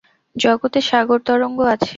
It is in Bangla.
জগতে সাগরতরঙ্গ আছে।